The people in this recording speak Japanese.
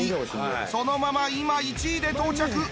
そのまま今１位で到着。